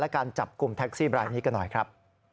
การจับกลุ่มแท็กซี่บรายนี้กันหน่อยครับ